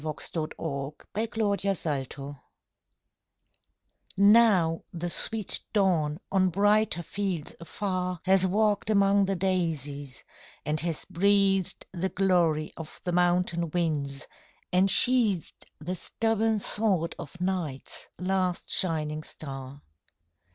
THE SECOND SONNET OF BATHROLAIRE Now the sweet Dawn on brighter fields afar Has walked among the daisies, and has breathed The glory of the mountain winds, and sheathed The stubborn sword of Night's last shining star.